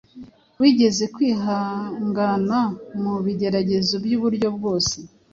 Wige kwihangana mu bigeragezo by’uburyo bwose,